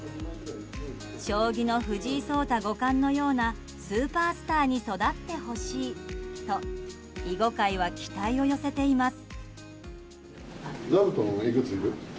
将棋の藤井聡太五冠のようなスーパースターに育ってほしいと囲碁界は期待を寄せています。